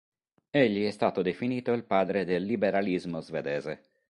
Egli è stato definito il padre del liberalismo svedese.